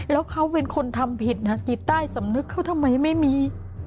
แล้วเขาเป็นคนทำผิดนะจิตใต้สำนึกเขาทำไมไม่มี